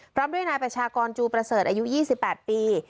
พร้อมด้วยนายประชากรจูประเสริฐอายุ๒๘ปี